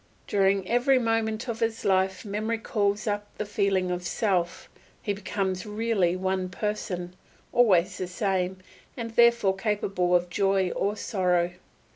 During every moment of his life memory calls up the feeling of self; he becomes really one person, always the same, and therefore capable of joy or sorrow.